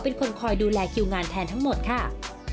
เป็นคนคอยดูแลคิวงานแทนทั้งหมดค่ะ